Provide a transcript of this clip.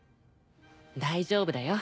大丈夫だよ。